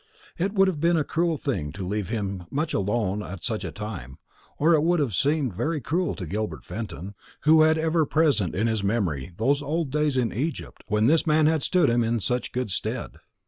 It would have been a cruel thing to leave him much alone at such a time, or it would have seemed very cruel to Gilbert Fenton, who had ever present in his memory those old days in Egypt when this man had stood him in such good stead.